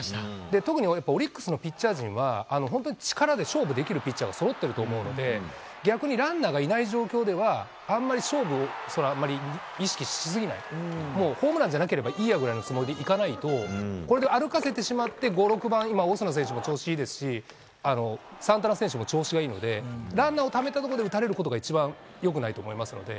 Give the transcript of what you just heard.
特にオリックスのピッチャー陣は力で勝負できるピッチャーがそろっていると思うので、逆にランナーがいない状況では、あんまり勝負を、あんまり意識し過ぎない、もうホームランじゃなければいいやぐらいのつもりでいかないと、これで歩かせてしまって、５、６番、今、オスナ選手も調子いいですし、サンタナ選手も調子がいいので、ランナーをためたところで打たれることが一番よくないと思いますので。